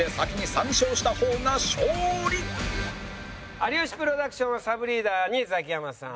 有吉プロダクションはサブリーダーにザキヤマさん。